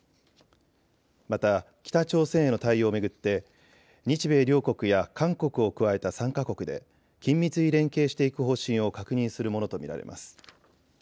また北朝鮮への対応を巡って日米両国や韓国を加えた３か国で緊密に連携していく方針を確認するものと見られます。